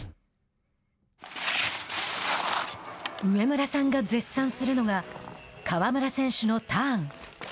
上村さんが絶賛するのが川村選手のターン。